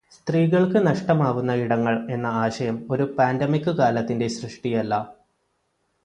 സ്ത്രീകൾക്ക് നഷ്ടമാവുന്ന ഇടങ്ങൾ എന്ന ആശയം ഒരു പാൻഡെമിൿ കാലത്തിന്റെ സൃഷ്ടി അല്ല.